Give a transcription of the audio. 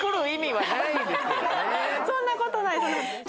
そんなことないです。